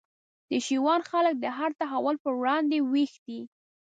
د شېوان خلک د هر تحول پر وړاندي ویښ دي